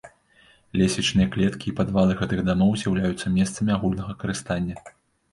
Лесвічныя клеткі і падвалы гэтых дамоў з'яўляюцца месцамі агульнага карыстання.